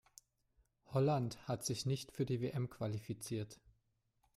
Holland hat sich nicht für die WM qualifiziert.